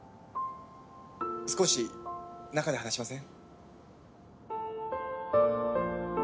少し中で話しません？